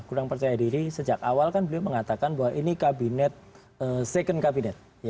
kurang percaya diri sejak awal kan beliau mengatakan bahwa ini kabinet second kabinet